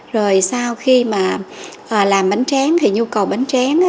rồi sau khi mà làm bánh tráng thì nhu cầu bánh tráng á